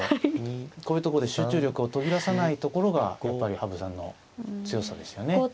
こういうところで集中力を途切らさないところがやっぱり羽生さんの強さですよね。